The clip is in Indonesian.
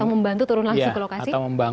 membantu turun langsung ke lokasi